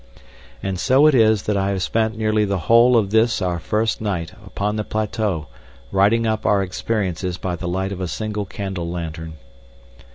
And so it is that I have spent nearly the whole of this our first night upon the plateau writing up our experiences by the light of a single candle lantern.